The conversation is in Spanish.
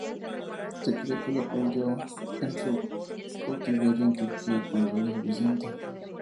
Se cree que lo aprendió en su cautiverio en Turquía cuando era adolescente.